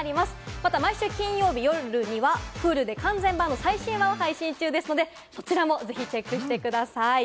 また毎週金曜夜、Ｈｕｌｕでは完全版最新話を配信中ですのでそちらもぜひチェックしてください。